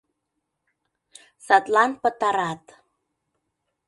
Садлан пытарат...